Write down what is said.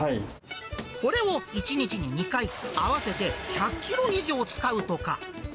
これを１日に２回、合わせて１００キロ以上使うとか。